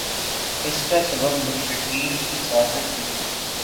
اس کا سبب مشترقین کی سازش نہیں